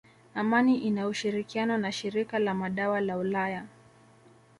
Amani ina ushirikiano na shirika la madawa la ulaya